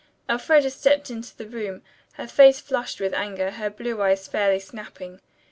Elfreda stepped into the room, her face flushed with anger, her blue eyes fairly snapping.